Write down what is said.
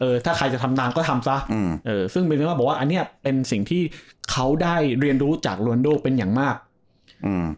ถ้าใครจะทำนานก็ทำซะอืมเอ่อซึ่งเป็นว่าบอกว่าอันเนี้ยเป็นสิ่งที่เขาได้เรียนรู้จากโรนโดเป็นอย่างมากอืม